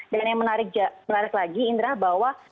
dan yang menarik lagi indra bahwa